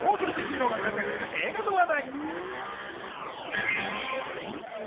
続いては高速のヒーローが活躍する映画の話題。